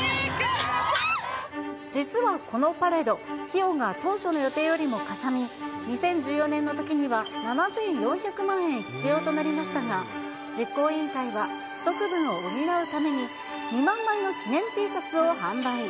実はこのパレード、費用が当初の予定よりもかさみ、２０１４年のときには７４００万円必要となりましたが、実行委員会は不足分を補うために、２万枚の記念Ｔシャツを販売。